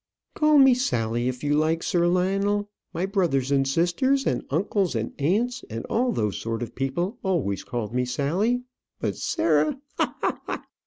"Call me Sally, if you like, Sir Lionel. My brothers and sisters, and uncles and aunts, and all those sort of people, always called me Sally. But, Sarah! Ha! ha! ha!